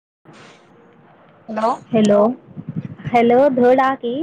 [inaudible] Hello hello धडा की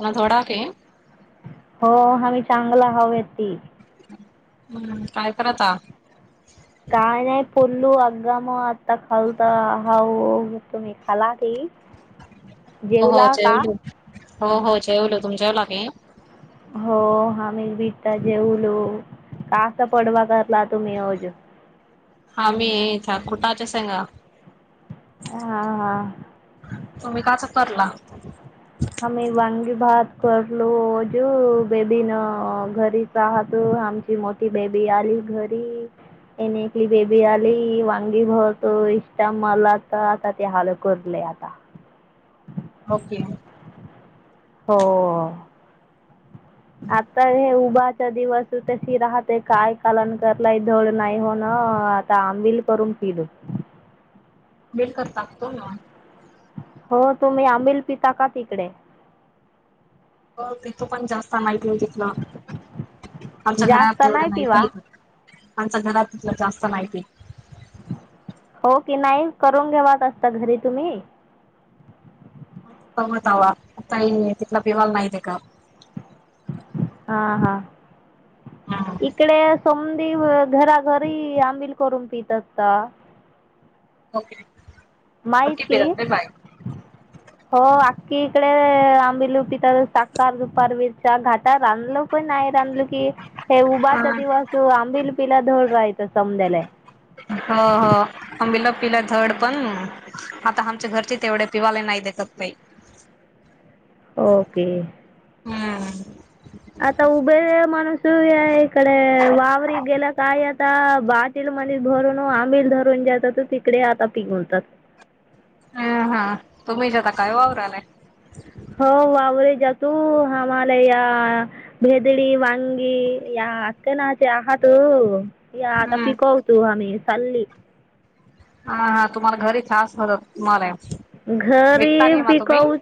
म थोडा के हो आ्म्ही चांगलं हवय ती [unintelligible] हम्म काय करता काय नाय [unintelligible] हो हो जेवलो हो हो जेवलो तुमच्या लाके हो हा मी बीटा जेवलो कासा पडवा करला तुम्ही अजू [unintelligible] हा मीथ कुठाच्या शेंगा हा हा तुम्ही काच [unintelligible] आम्ही वांगी भात करलो जू बेबी न घरीचहात आमची मोठी बेबी आली घरी एनेकली बेबी आली वांगी भत इष्टा मला तर आता ते हला करलय आता ओके हो आता हे उभाचा दिवस तशी राहते काय कालन करलाय धड नाही हो ना आता आंबिल करून पिलो बेस कर टाकतो ना हो तुम्ही आमिल पिता का तिकडे हो तेथू पण जास्त माहिती नाही. तितलं आमच्या जास्त घरात नाही तेवढ्या पिवा माहिती आमचं घरात तिथलं जास्त माहिती. हो नाही करून घेवात असता घरी तुम्ही. [unintelligible] हां हां इकडे सम. ते घराघरी आंबिल करून पित असत. [inaudible] पट्टी माहिती, पिरत बाय हो. कि इकडे आंबिलूपित साखा दुपार मिरच्या घाटात रांधल पण आहे रांधल की हे उभाचा दिवस आंबिल. पिला दोड राय. ह ह अंबिला. पिलं धड पण, आता आमच्या घरचे तेवढे पिवाले नाही देतात बाई ओके. हम्म आता उभे माणूस तू या इकडे वावर गेला काय आता बाटील मध भरून आंबिल धरून जात तू तिकडे आता पघूनतात. ह हा तु्ही जता काय वावरालाय. हो वावरे जातू आम्हाला या भेदडी वांगी या अकनाचे आहात. या आता हम् पिकवतू हामी. [unintelligible] हा हा. तुम्हाला घरी [unintelligible] घरी पीकव,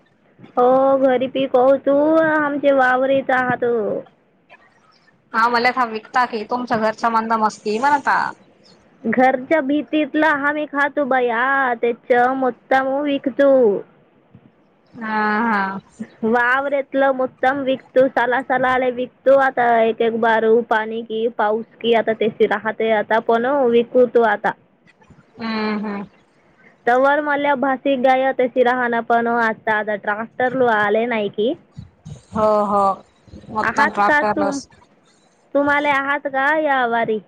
हो घरी पीकव तू आमचे वावर यत आहात. [unintelligible] [unintelligible] [unintelligible] हा हाआ [unintelligible] [unintelligible] हम्म हम्म तर वर मल्या भाासिक गाय तशी राहणा पणा [unintelligible] [unintelligible] आले नाई की, हो हो मगता आहात का तुम ट्रॅक्टरलस तुम्हाले आहात का त्यावारी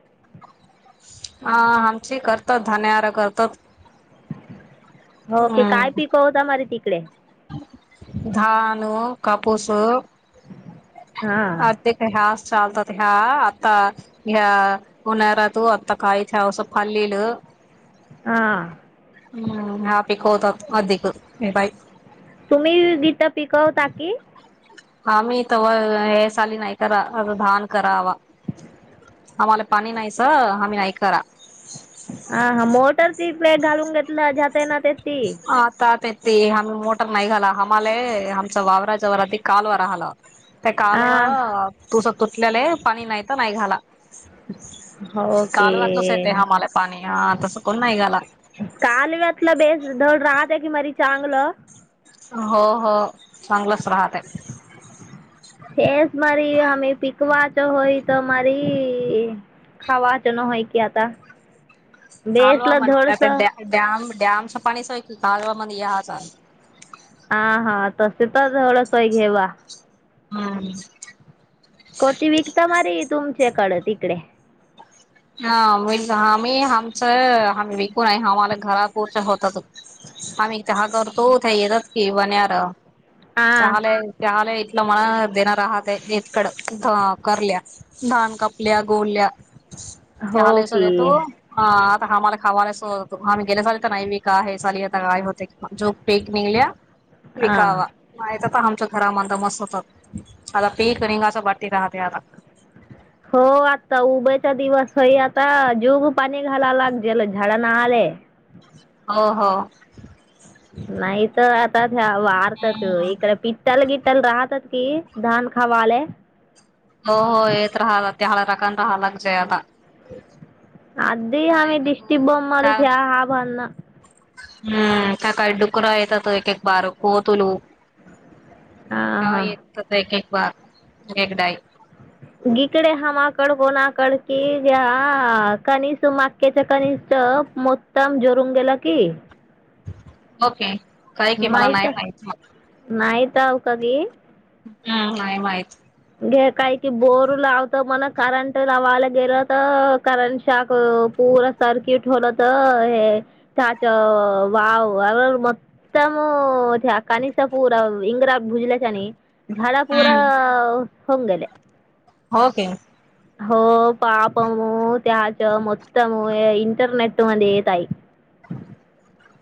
आ आमची करतात धान्यार करतात हो की काय पीकवता मारी ती. [unintelligible] धानो, कापूसो [unintelligible] [unintelligible] हां हां हूं हा पीकवतात. अधिक बाई तुम्ही बी बीत पिकवता की, आम्ही तवा हे साली नाय करा आत धान करावा आम्हाला पाणी नाही स आम्ही नाही करा ते घालून घेतलं हेज्यात ते ना ते ते आता ते ते आम्ही मोटर नाही घाला आम्हाले आमचा वावराच्या वरती कालवा राहल ते कालवा हां तूस तुटलेले पाणी नाय त नाय घाला हो की काल वाातलच येते हमाले पाणी हा तसं कोण नाही घाला कालव्यातलं बेस धड राहतय की मरी चांगलं हो हो चांगलच हेच मरी आम्ही पिक कवाचो होय त माारी खावाचो न होय की आता हलवा बेसला म्हणत त धडसं ड डॅम डयामच पाणी सयकल कालवामदि याहचा हा हा तस [unintelligible] सोय घेवा हूं कोटी विकता मारी तुम टेकाढ तिकडे [unintelligible] हामित आम्ही आमचं आम्ही विकूनय आम्हाला घरापूरत होतत आम्ही इथ हा करतो त्या येतात की वण्यार [unintelligible] हां सहाल इथल मला देणार आहात [unintelligible] कड करल्या भान कापल्या गोल्या [unintelligible] हो आम्हाला की [unintelligible] म आम्ही गेल्यासाली तर नाही विकाय हे साली आता काय होतय जो पीक निघल्या हा विकावा [unintelligible] हामच्या खरा म्हण [unintelligible] हो आता उभचा दिवस हये आता जीव्हू पाणी घालालागजेल झाडाना आले [unintelligible] हो हो नाही त आ [unintelligible] [unintelligible] [unintelligible] आधी आम्ही येतात दिष्टि बोम् मारू त्या दया आम्हाना हम्म का काय डुक्करा येतात एक एक बारको तुलो हा येतच आहे की बा एकडाई गीकडे हा माग कड कोणाकड कि घ्या कनिस मक्याच कनिस च मोतम जोरून गेलं की ओके काय की मला नाही माहित म ताव का गे हम्म नाही माहीत घे काही कि बोर लावत मन करंट लावायला गेलं त करंट शाक पूरा सर्किट होल त हे त्याच वाव मतम त्या कनिसा पूरा इंग्र भुजल्याच्यानी झाडापूरा आ आ होंगलये होके हो पापमु त्याच मत म इंटरनेट मध्ये येत आहे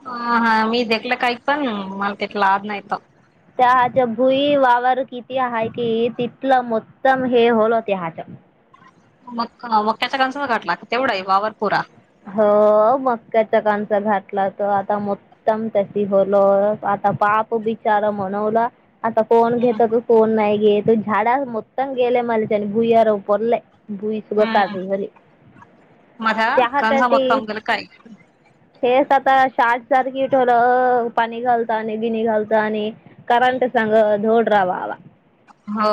ह हा मी देक्ला काय पण मला तेतला आद नाहीत त्याहच भुई वावर किती आहे कि तिथलं मोत्तम हे होल त्याह्याच म मक्क मक्याच कनस घाटला तेवढ य वावरपुरा हो मक्काच कनस घातला त आता मोतम त्य होल आता पाप बिचार म्हनवला आता कोण घेतात कोण नाही घेत झाडा मत गेले मलच्या आणि भूई्यार पुरले भुईसगा हम्म काजही हेले का सांमतता गल काय हेच आता शॉ्ट सर्किट होलं पाणी घालतं आणि गिणी घालत आणि करंट सांग धोड राहावा वा हो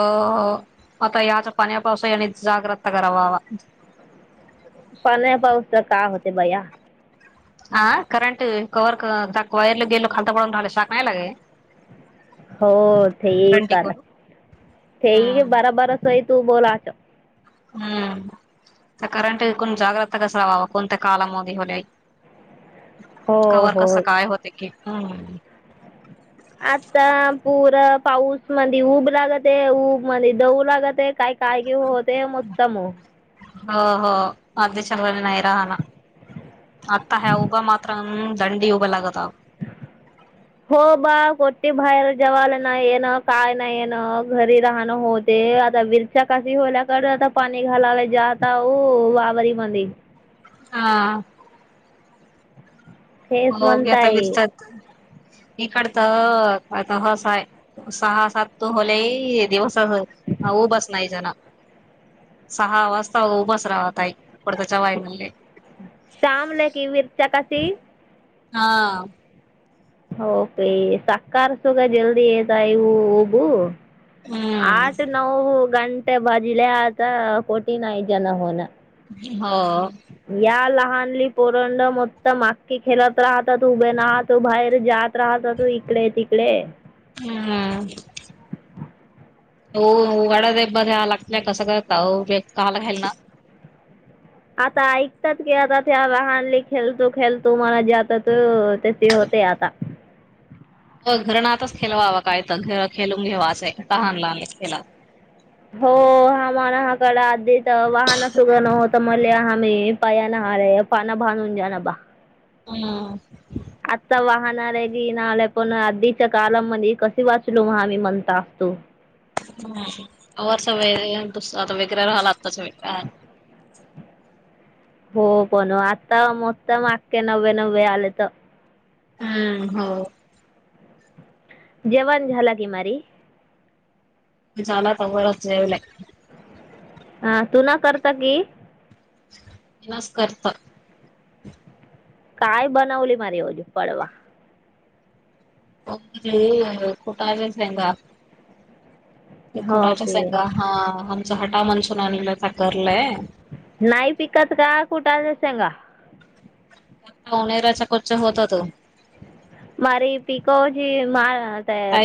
आता याच पाण्या पावसा्याने जागृता करावावा पाण्या पाव तर का होते बया हा करंट कव्ह वायरला गेलो खालता पडून राहिलं शाक नाही लागे हो ठीक आहे ते बारा बारा सय तू बोलाच हम्म करंट कोण जागृता कसरावावा कोणत्या कालाम होल्या हो कवर कसं हो काय होते की हम् आता पुूर पाऊस मधी ऊब लागत आहे ऊब मध्ये दऊ लागत आहे काय काय क होते उत्तम हो ना [unintelligible] आता ह उघ मात्र [unintelligible] हो बा कोठते बाहेर जवायला नाही ये ना काय नाही ये ना घरी राहणं होते आता विरच्या काशी होल्याकडे आता पाणी घालायला जात वावरारी मधी. हा! फेस म्हणता ये. इकड तर आता हस आहे सहा सातू होले दिवस उभास नाही जण सहा वाजता उभास राहतई पुडताच्यावाई म्हण. शामला की मिरचाकाची. हा! [unintelligible] आठ हम्म नव हो! [unintelligible] हा! भहानली पोरंड मत मागकी खेळत राहत तू उभे राहतो बाहेर जात राहत तो इकडे तिकडे. हूं! [unintelligible] आता ऐकतात की आता त्या लहानली खेळतो खेळतो मला जात त तेची होते आता. हो घरण आातच खेळवावं काय तर खेळ खेलू. [unintelligible] एला. [unintelligible] वाहनासगं नव्हत [unintelligible] हूं! [unintelligible] [unintelligible] [unintelligible] हूं हो! जेवाण झाला की मारी. [unintelligible] हा तू ना करता की. नसतंरत. [unintelligible] [unintelligible] हो की [unintelligible] [unintelligible] नाही पिकत का कुठं. सांगा [unintelligible] [unintelligible]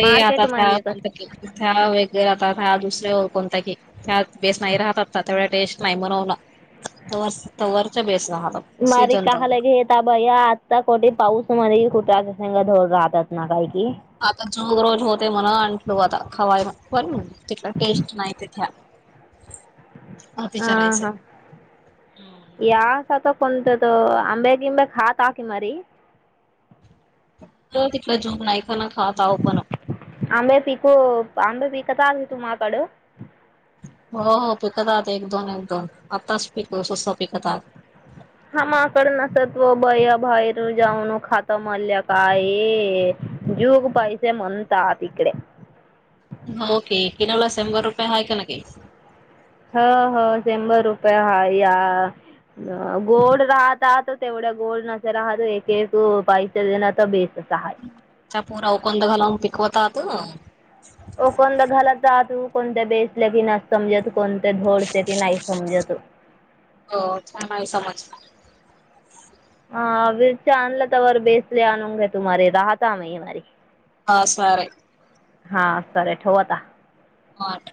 मार्केट म्हणजे कसे [unintelligible] मारी सीजन काहाल तवर घेेत बया आता कठे पाऊस मध्ये कुठ ध राहतात ना काही आता चोग रोज होतंय म्हण आण ता खावाय म बण तिक टेस्ट नाही तिथे हा हा हम्म यास आता कोणतं? त आंबेगिंबे खात असणागी लजू बनाय आंबे पिकू आंबे विकत आणलं तुम्हाकडं हो हो पिकतात एक दोन एक दोन आत्ताच पिक स्त पिकतात हामाकड नसव बया बाहेर जाऊन खाता मारल्या का ये जूक पैसे म्हणतात तिकडे हो के किनवला शंभर रुपये हाय का नही. हो हो शंभर रुपये हा या गोड राहतात तेवढ्या गोड नसे राहतो एक एक पैसे देणार तर बेस चापोरा उकंद घालवून पि होता तो हो कोणत्या घालात रा तू कोणत्या बेसल्या की नाही समज तू कोणते गोड चे ती नाही समजत छान आहे समज आ बेसचे आणला तवर बेसले आनगे तुम्हारे राहता महीमारी हा सॉरे हा तरे ठेवता माठ